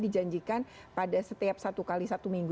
dijanjikan pada setiap satu kali satu minggu